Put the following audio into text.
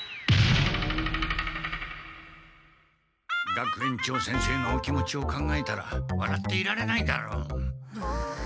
学園長先生のお気持ちを考えたらわらっていられないだろう？